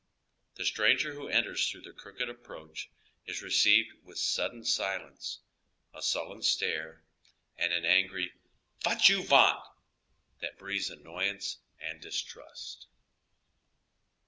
The stranger who enters through the crooked approach is re ceived with sudden silence, a sullen stare, and an angry " Yat yon vant !" that breathes annoyance and distrust.